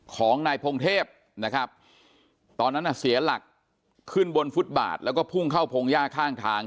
ของนายพงเทพนะครับตอนนั้นน่ะเสียหลักขึ้นบนฟุตบาทแล้วก็พุ่งเข้าพงหญ้าข้างทาง